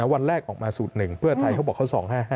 วันแรกออกมาสูตร๑เพื่อไทยเขาบอกเขา๒๕๕